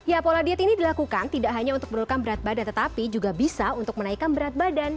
ya pola diet ini dilakukan tidak hanya untuk menurunkan berat badan tetapi juga bisa untuk menaikkan berat badan